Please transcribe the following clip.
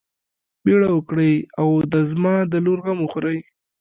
بيړه وکړئ او د زما د لور غم وخورئ.